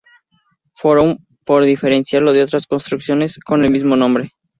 Forum para diferenciarlo de otras construcciones con el mismo nombre.